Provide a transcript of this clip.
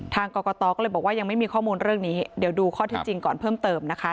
ทางกรกตก็เลยบอกว่ายังไม่มีข้อมูลเรื่องนี้เดี๋ยวดูข้อที่จริงก่อนเพิ่มเติมนะคะ